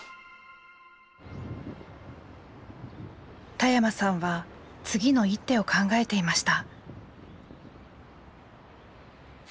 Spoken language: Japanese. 田山さんは次の一手を考えていました。